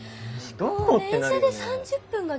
もう電車で３０分が限界。